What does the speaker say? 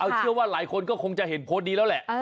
เชื่อว่าหลายคนก็คงจะเห็นโพสต์นี้แล้วแหละ